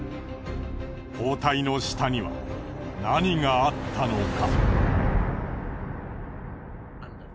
包帯の下には何があったのか。